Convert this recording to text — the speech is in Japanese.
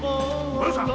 お葉さん！